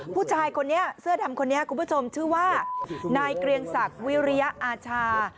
ผู้ชายคนนี้เสื้อดำคนนี้คุณผู้ชมชื่อว่านายเกรียงศักดิ์วิริยอาชา